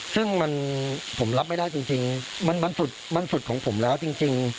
ซึ่งมันผมรับไม่ได้จริงจริงมันมันสุดมันสุดของผมแล้วจริงจริง